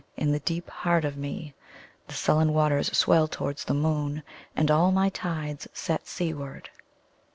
In the deep heart of meThe sullen waters swell towards the moon, And all my tides set seaward.